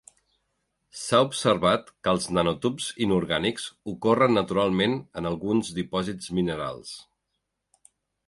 S'ha observat que els nanotubs inorgànics ocorren naturalment en alguns dipòsits minerals.